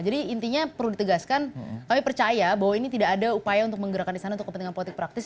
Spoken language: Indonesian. jadi intinya perlu ditegaskan kami percaya bahwa ini tidak ada upaya untuk menggerakkan istana untuk kepentingan politik praktis